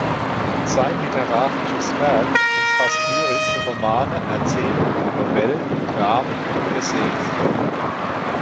Sein literarisches Werk umfasst Lyrik, Romane, Erzählungen, Novellen, Dramen und Essays.